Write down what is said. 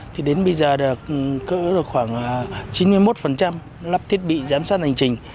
thì đến bây giờ đã có khoảng chín mươi một lắp thiết bị giám sát hành trình